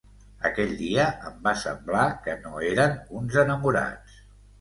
Aquell dia, em va semblar que no eren uns enamorats.